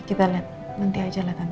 kita liat nanti aja lah tante